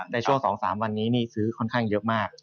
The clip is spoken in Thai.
ในช่วงสองสามวันนี้ซื้อค่อนข้างเยอะมาก